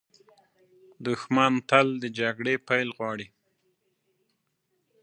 دښمن تل د جګړې پیل غواړي